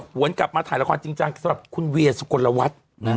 หวนกลับมาถ่ายละครจริงสำหรับคุณเวียสุโกนละวัด